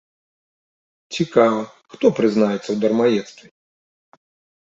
Цікава, хто прызнаецца ў дармаедстве?